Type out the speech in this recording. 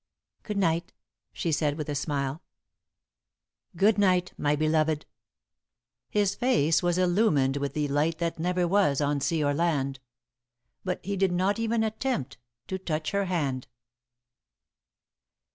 "Good night," she said, with a smile. "Good night, my beloved." His face was illumined with "the light that never was on sea or land," but he did not even attempt to touch her hand.